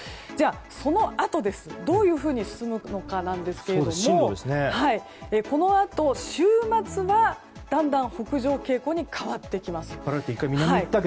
そのあとどういうふうに進むのかですがこのあと、週末はだんだん北上傾向に変わってきます。